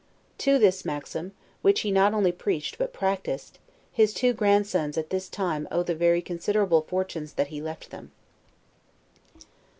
To this maxim, which he not only preached but practiced, his two grandsons at this time owe the very considerable fortunes that he left them.